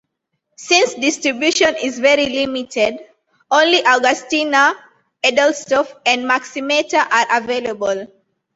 Since distribution is very limited, only Augustiner Edelstoff and Maximator are available.